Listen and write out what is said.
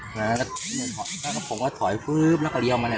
หลังจากนั้นก็ผมก็ถอยพื้บแล้วก็เรียวมาเนี่ย